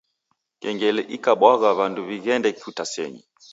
Kengele ikabwagha w'andu w'ighende kutasenyi.